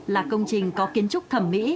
là công trình có kiến trúc thẩm mỹ